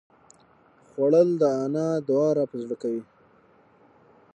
خوړل د انا دعا راپه زړه کوي